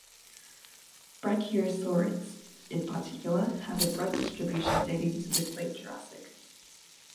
Brachiosaurids in particular have a broad distribution dating to the Late Jurassic.